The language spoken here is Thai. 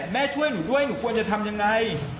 ช่วยหนูด้วยหนูควรจะทำยังไง